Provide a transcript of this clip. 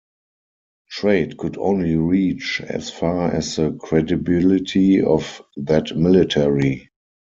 Trade could only reach as far as the credibility of that military.